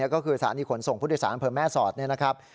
ก็คือศานีขนส่งพุทธศาสตร์นำเผิ่มแม่สอดนะครับ